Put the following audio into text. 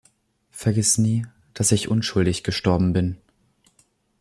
Vergiss nie, dass ich unschuldig gestorben bin.